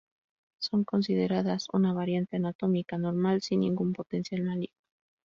Son consideradas una variante anatómica normal sin ningún potencial maligno.